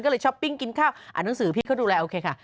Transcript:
ก็เลยช้อปปิ้งกินข้าวอ่านหนังสือพี่เขาดูแลโอเคค่ะ